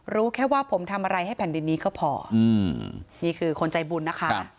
รู้แค่ว่าผมทำอะไรให้แผ่นดินนี้ก็พอนี่คือคนใจบุญนะคะ